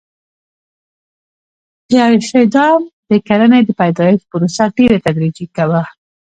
د عیاشۍ دام د کرنې د پیدایښت پروسه ډېره تدریجي وه.